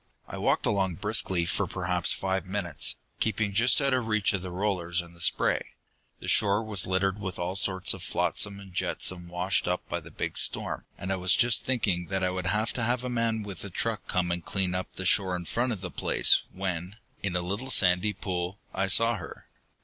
"I walked along briskly for perhaps five minutes, keeping just out of reach of the rollers and the spray. The shore was littered with all sorts of flotsam and jetsam washed up by the big storm, and I was just thinking that I would have to have a man with a truck come and clean up the shore in front of the place, when, in a little sandy pool, I saw her.